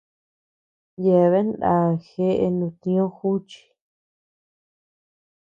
Yeabea nda jeʼe nutñó juchi.